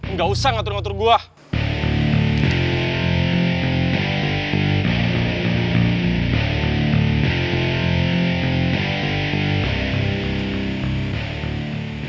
nggak usah ngatur ngatur buah